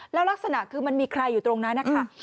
แล้วลักษณะคือมันมีใครอยู่ตรงนั้นนะคะ